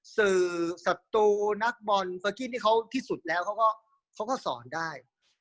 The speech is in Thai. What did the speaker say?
สื่อศัตรูนักบอลสกี้นี่เขาที่สุดแล้วเขาก็สอนได้